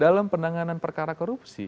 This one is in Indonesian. dalam penanganan perkara korupsi